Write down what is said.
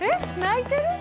泣いてる？